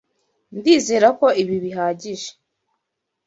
Ndizera ko ibi bihagije.